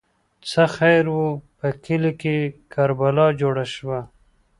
ـ څه خیر وو، په کلي کې کربلا جوړه شوه.